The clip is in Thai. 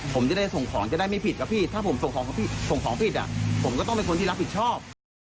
ผมก็ต้องเป็นคนที่รับผิดชอบ